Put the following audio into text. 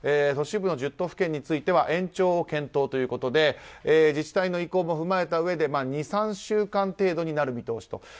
都市部の１０都府県については延長を検討ということで自治体の意向も踏まえたうえで２３週間程度になる見通しだと。